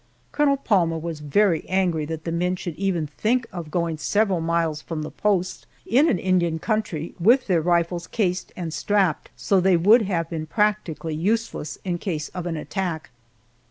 Colonel Palmer was very angry that the men should even think of going several miles from the post, in an Indian country, with their rifles cased and strapped so they would have been practically useless in case of an attack.